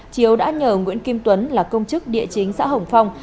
chiếu đã nhờ nguyễn kim tuấn là công chức địa chính xã hồng phong